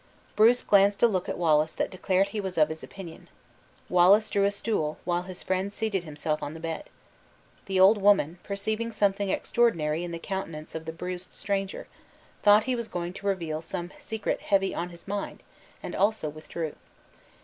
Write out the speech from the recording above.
Bruce glanced a look at Wallace that declared he was of his opinion. Wallace drew a stool, while his friend seated himself on the bed. The old woman, perceiving something extraordinary in the countenance of the bruised stranger, thought he was going to reveal some secret heavy on his mind, and also withdrew.